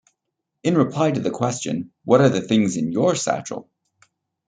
In reply to the question, What are the things in your satchel?